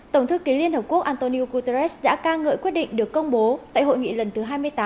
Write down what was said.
tổng thư ký liên hợp quốc antonio guterres đã ca ngợi quyết định được công bố tại hội nghị lần thứ hai mươi tám